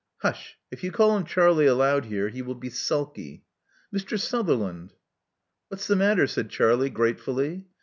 Hush! — if you call him Charlie aloud here, he will be sulky. Mr. Sutherland." What's the matter?" said Charlie, gratefully.